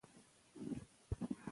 آساني په سختۍ کې نغښتې ده.